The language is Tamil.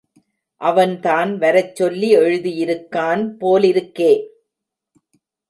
அவன்தான் வரச் சொல்லி எழுதியிருக்கான் போலிருக்கே.